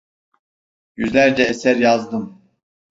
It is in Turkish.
Yüzlerce eser yazdım.